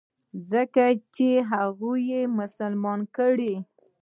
ځکه چې هغوى يې مسلمانان کړل.